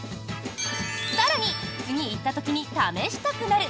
更に次行った時に試したくなる！